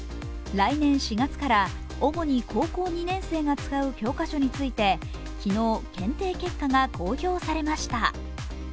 来年４月から主に高校２年生が使う教科書について昨日、検定結果が公表されました。